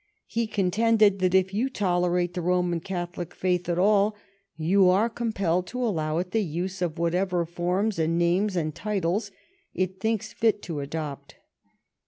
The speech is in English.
He contended that if you tolerate the Roman Catholic faith at all, you are compelled to allow it the use of whatever forms and names and titles it thinks fit to adopt.